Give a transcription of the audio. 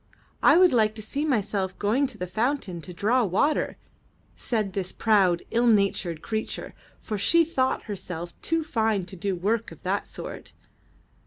'' ''I would like to see myself going to the fountain to draw water," said this proud, ill natured creature, for she thought herself too fine to do work of that sort.